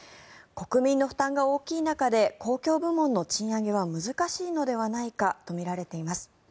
国民の負担が大きい中で公共部門の賃上げは難しいのではないかとみられています。